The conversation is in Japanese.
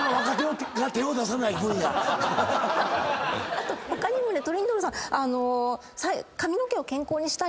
あと他にもトリンドルさん。